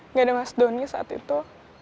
nggak ada mas doni saat itu